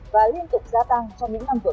và liên tục gia tăng trong những năm vừa